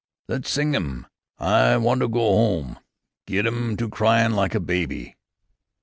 "Less sing 'im, 'I want to go 'ome.' Get 'im to cryin' like a baby."